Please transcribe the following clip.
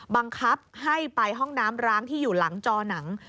บังคับให้ไปห้องน้ำร้างที่อยู่หลังจอหนัง